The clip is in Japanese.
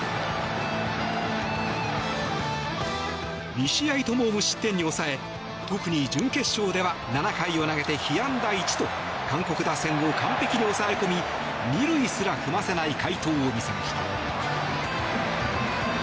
２試合とも無失点に抑え特に準決勝では７回を投げて被安打１と韓国打線を完璧に抑え込み２塁すら踏ませない快投を見せました。